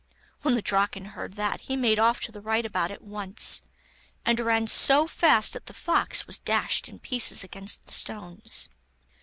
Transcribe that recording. When the Draken heard that he made off to the rightabout at once, and ran so fast that the fox was dashed in pieces against the stones.